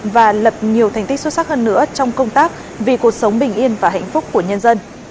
và lập nhiều thành tích xuất sắc hơn nữa trong công tác vì cuộc sống bình yên và hạnh phúc của nhân dân